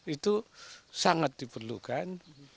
itu sangat diperlukan